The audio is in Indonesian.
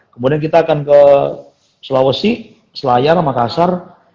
kemudian kita akan ke sulawesi selayar makassar